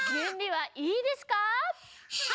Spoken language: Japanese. はい！